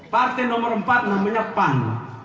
partai nomor empat namanya pan